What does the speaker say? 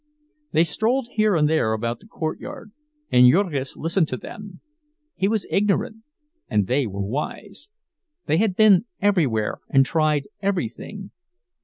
They strolled here and there about the courtyard, and Jurgis listened to them. He was ignorant and they were wise; they had been everywhere and tried everything.